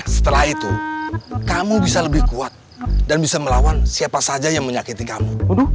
setelah itu kamu bisa lebih kuat dan bisa melawan siapa saja yang menyakiti kamu